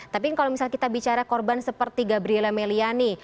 tapi kalau misalnya kita bicara korban seperti gabriella meliani